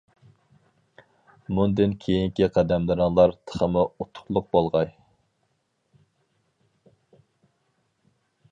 مۇندىن كېيىنكى قەدەملىرىڭلار تېخىمۇ ئۇتۇقلۇق بولغاي!